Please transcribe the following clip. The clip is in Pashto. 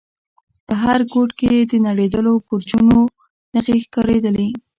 په هر گوټ کښې يې د نړېدلو برجونو نخښې ښکارېدې.